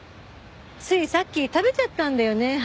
ついさっき食べちゃったんだよね